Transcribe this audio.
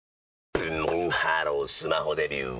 ブンブンハロースマホデビュー！